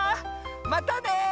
またね！